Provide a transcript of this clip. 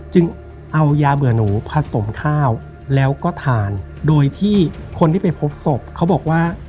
จึงเอายาเบื่อหนูผสมข้าวแล้วก็ทานโดยที่คนที่ไปพบศพเขาบอกว่า